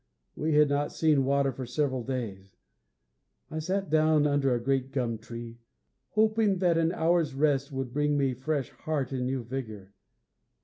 We had not seen water for several days. I sat down under a great gum tree, hoping that an hour's rest would bring me fresh heart and new vigor.